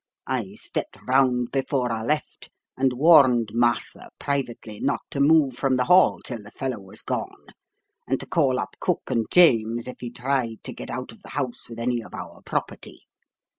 I stepped round before I left, and warned Martha privately not to move from the hall till the fellow was gone, and to call up cook and James if he tried to get out of the house with any of our property.